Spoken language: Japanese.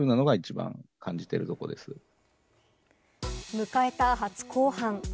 迎えた初公判。